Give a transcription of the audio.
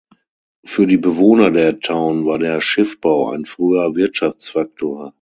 Für die Bewohner der Town war der Schiffbau ein früher Wirtschaftsfaktor.